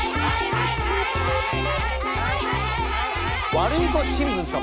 ワルイコ新聞様。